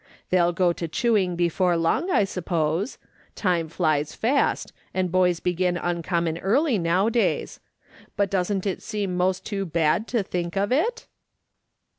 They'll go to chewing before long, I suppose ; time flies fast, and boys begin uncommon early now days; but doesn't it seem most too bad to think of it